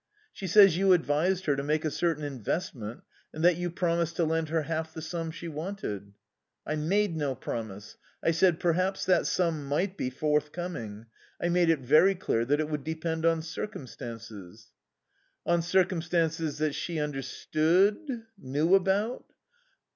"She says you advised her to make a certain investment, and that you promised to lend her half the sum she wanted." "I made no promise. I said, 'Perhaps that sum might be forthcoming.' I made it very clear that it would depend on circumstances." "On circumstances that she understood knew about?"